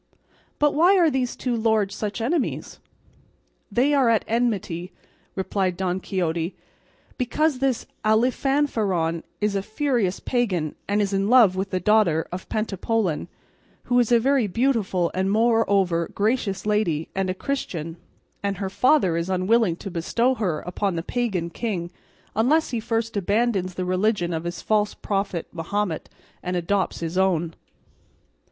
"But why are these two lords such enemies?" "They are at enmity," replied Don Quixote, "because this Alifanfaron is a furious pagan and is in love with the daughter of Pentapolin, who is a very beautiful and moreover gracious lady, and a Christian, and her father is unwilling to bestow her upon the pagan king unless he first abandons the religion of his false prophet Mahomet, and adopts his own."